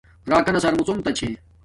راکانا سرمڎنݣ تا چھے